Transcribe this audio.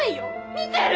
見てる！